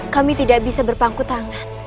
kami tidak bisa berpangku tangan